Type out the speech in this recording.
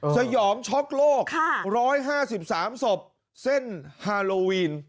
สยองช็อกโลก๑๕๓ศพเส้นฮาโลวีน